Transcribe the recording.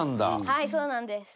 はいそうなんです。